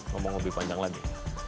ngomong lebih panjang lagi